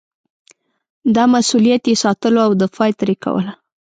دا مسووليت یې ساتلو او دفاع یې ترې کوله.